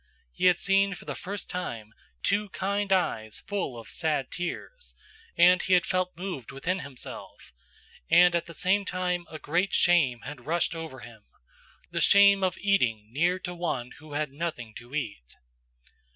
"He had seen for the first time two kind eyes full of sad tears, and he had felt moved within himself, and at the same time a great shame had rushed over him; the shame of eating near to one who had nothing to eat.